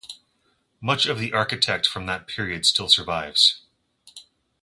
Much of the architect from that period still survives.